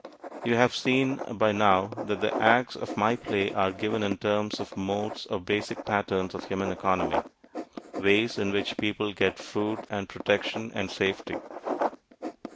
You have seen by now that the acts of my play are given in terms of modes or basic patterns of human economy ways in which people get food and protection and safety.